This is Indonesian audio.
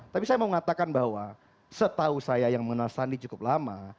tapi saya mau mengatakan bahwa setahu saya yang mengenal sandi cukup lama